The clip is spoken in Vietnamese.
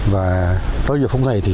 và tới giờ phút này